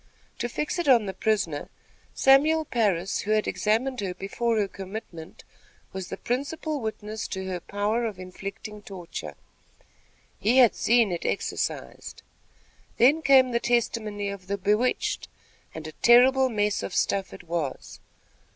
To fix it on the prisoner, Samuel Parris, who had examined her before her commitment, was the principal witness to her power of inflicting torture. He had seen it exercised. Then came the testimony of the bewitched, and a terrible mess of stuff it was.